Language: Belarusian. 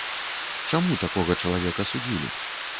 Чаму такога чалавека судзілі?